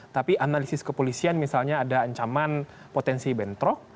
tapi analisis kepolisian misalnya ada ancaman potensi bentrok